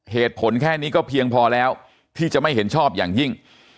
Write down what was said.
เหตุผลแค่นี้ก็เพียงพอแล้วที่จะไม่เห็นชอบอย่างยิ่ง